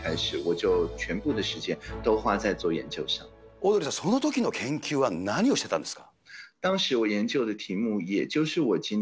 オードリーさん、そのときの研究は何をしてたんですか？